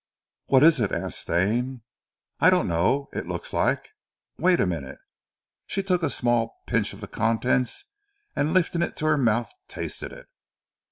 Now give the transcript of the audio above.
"What is it?" asked Stane. "I don't know. It looks like wait a minute!" she took a small pinch of the contents and lifting it to her mouth, tasted it.